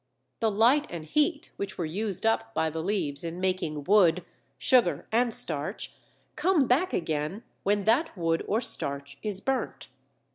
The light and heat which were used up by the leaves in making wood, sugar, and starch come back again when that wood or starch is burnt.